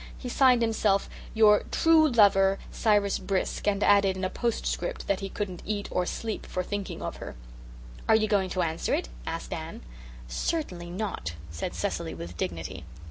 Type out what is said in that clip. He signed himself "your troo lover, Cyrus Brisk" and added in a postcript that he couldn't eat or sleep for thinking of her. "Are you going to answer it?" asked Dan. "Certainly not," said Cecily with dignity.